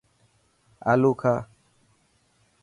آلو کاهه.